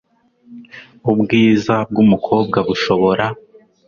ubwiza bwumukobwa bushobora